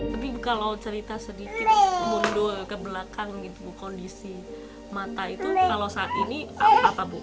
tapi kalau cerita sedikit mundur ke belakang gitu bu kondisi mata itu kalau saat ini apa bu